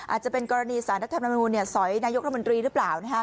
อาจจะเป็นกรณีสารรัฐธรรมนูลสอยนายกรัฐมนตรีหรือเปล่า